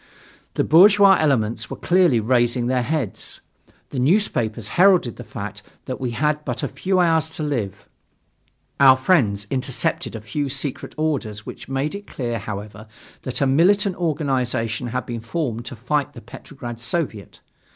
The bourgeois elements were clearly raising their heads. The newspapers heralded the fact that we had but a few hours more to live. Our friends intercepted a few secret orders which made it clear, however, that a militant organization had been formed to fight the Petrograd Soviet.